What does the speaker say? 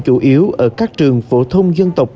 chủ yếu ở các trường phổ thông dân tộc